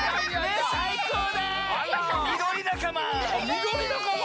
みどりなかま！